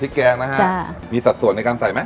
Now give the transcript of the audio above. พริกแกงนะคะมีสัดส่วนในการใส่มั้ย